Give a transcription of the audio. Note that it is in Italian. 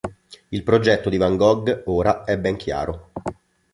Il progetto di van Gogh, ora, è ben chiaro.